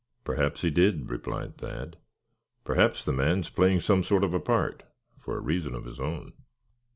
"Perhaps he did," replied Thad; "perhaps the man is playing some sort of part, for a reason of his own."